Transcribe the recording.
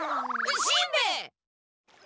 しんべヱ！